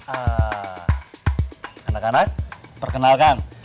eh anak anak perkenalkan